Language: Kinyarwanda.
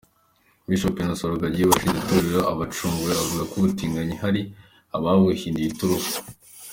Bishop Innocent Rugagi washinze itorero abacunguwe, avuga ko ubutinganyi hari ababuhinduye iturufu.